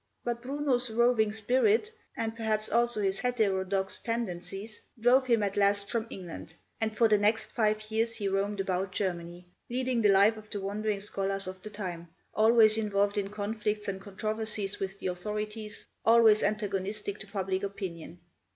But Bruno's roving spirit, and perhaps also his heterodox tendencies, drove him at last from England, and for the next five years he roamed about Germany, leading the life of the wandering scholars of the time, always involved in conflicts and controversies with the authorities, always antagonistic to public opinion.